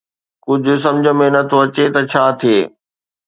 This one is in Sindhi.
ڪجهه سمجهه ۾ نه ٿو اچي ته ڇا ٿئي